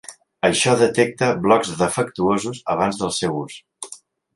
Això detecta blocs defectuosos abans del seu ús.